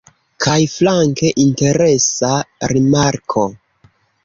Kaj flanke interesa rimarko